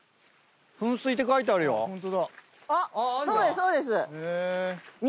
そうですそうです。